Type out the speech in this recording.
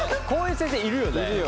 こういう先生いるよね。